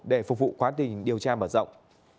để phục vụ quá trình điều tra mở rộng